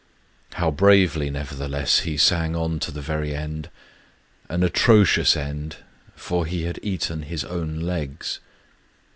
. How bravely, nevertheless, he sang on to the very end, — an atrocious end, for he had eaten his own legs